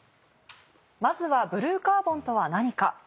まずはブルーカーボンとは何か。